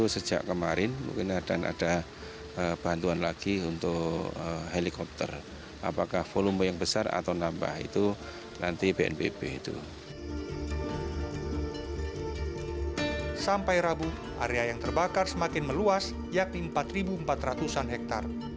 sampai rabu area yang terbakar semakin meluas yakni empat empat ratus an hektare